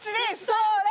それ！